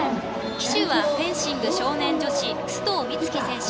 旗手はフェンシング少年女子周藤美月選手。